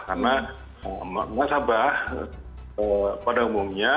karena masyarakat pada umumnya